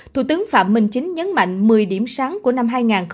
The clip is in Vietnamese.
thủ tướng phạm minh chính nhấn mạnh một mươi điểm sáng của năm hai nghìn hai mươi